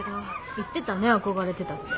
言ってたね憧れてたって。